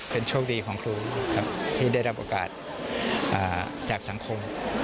เป็นโชคดีของครูครับที่ได้รับโอกาสจากสังคม